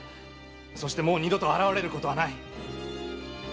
そしてもう二度と現れることはない！